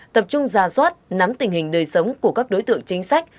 tập trung ra soát nắm tình hình đời sống của các đối tượng chính sách